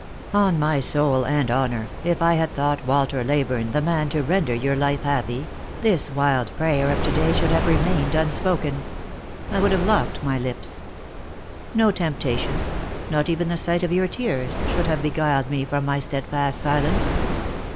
On my soul and honour, if I had thought Walter Leyburne the man to render your life happy, this wild prayer of to day should have remained unspoken. I would have locked my lips. No tempta tion — not even the sight of your tears — should have beguiled me from my steadfast silence.